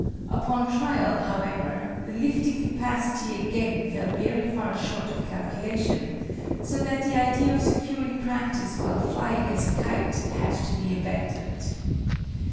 Upon trial, however, the lifting capacity again fell very far short of calculation, so that the idea of securing practice while flying as a kite had to be abandoned.